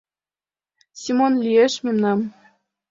Семон лиеш мемнан.